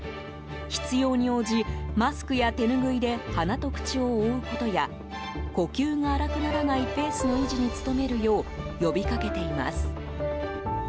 必要に応じ、マスクや手ぬぐいで鼻と口を覆うことや呼吸が荒くならないペースの維持に努めるよう呼び掛けています。